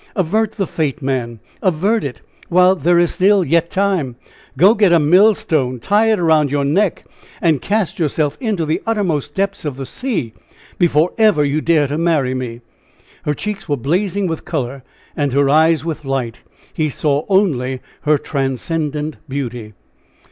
Avert the fate, man! Avert it! while there is yet time! Go get a mill stone and tie it around your neck and cast yourself into the uttermost depths of the sea before ever you dare to marry me!" Her cheeks were blazing with color and her eyes with light! He saw only her transcendant beauty.